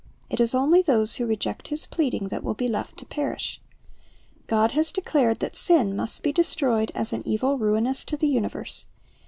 It is only those who reject His pleading that will be left to perish. God has declared that sin must be destroyed as an evil ruinous to the universe.